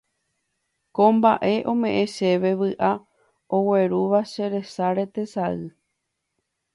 Ko mbaʼe omeʼẽ chéve vyʼa oguerúva che resáre tesay.